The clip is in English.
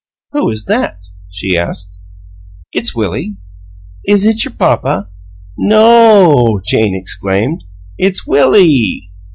"Who is that?" she asked. "It's Willie." "Is it your papa?" "NO O O O!" Jane exclaimed. "It's WILLIE!"